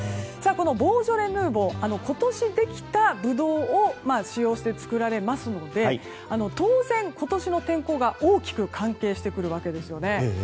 ボージョレ・ヌーボー今年できたブドウを使用して造られるので当然、今年の天候が大きく関係してくるわけですね。